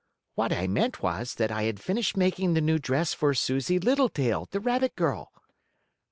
"What I meant was that I had finished making the new dress for Susie Littletail, the rabbit girl."